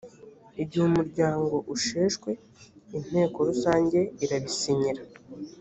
igihe umuryango usheshwe inteko rusange irabisinyira